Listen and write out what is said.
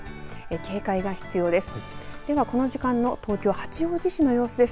警戒が必要です。